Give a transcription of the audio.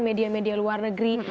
media media luar negeri